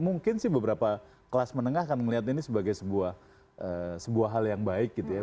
mungkin sih beberapa kelas menengah akan melihat ini sebagai sebuah hal yang baik gitu ya